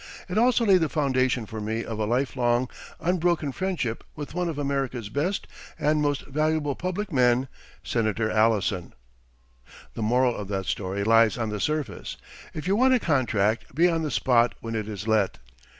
It also laid the foundation for me of a lifelong, unbroken friendship with one of America's best and most valuable public men, Senator Allison. The moral of that story lies on the surface. If you want a contract, be on the spot when it is let.